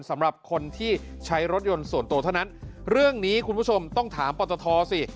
สำหรับคนที่ใช้รถยนต์ส่วนตัวเท่านั้นเรื่องนี้คุณผู้ชมต้องถามปตทสิ